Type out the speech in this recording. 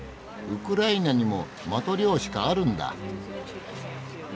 ウクライナにもマトリョーシカあるんだ。